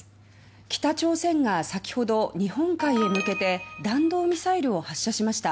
北朝鮮が先ほど日本海へ向けて弾道ミサイルを発射しました。